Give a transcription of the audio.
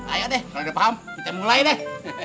ayo deh kalau udah paham kita mulai deh